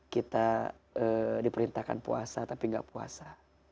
kita diperintahkan puasa tapi nggak puasa